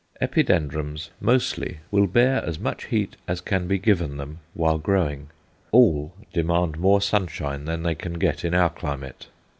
Epidendrums mostly will bear as much heat as can be given them while growing; all demand more sunshine than they can get in our climate.